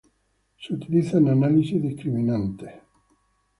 Es utilizado en análisis discriminante.